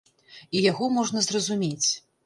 І яго можна зразумець.